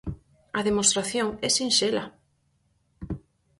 A demostración é sinxela.